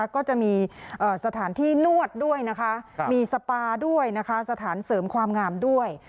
ก็จะมีสถานที่นวดด้วยนะคะมีสปาด้วยนะคะสถานเสริมความงามด้วย